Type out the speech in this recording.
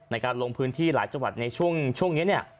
ในการลงพื้นที่หลายจังหวัดในช่วงนี้เนี่ย